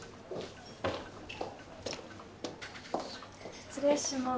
失礼します。